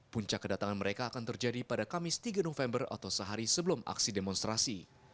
puncak kedatangan mereka akan terjadi pada kamis tiga november atau sehari sebelum aksi demonstrasi